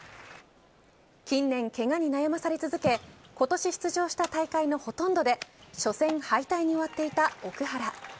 近年、けがに悩まされ続け今年出場した大会のほとんどで初戦敗退に終わっていた奥原。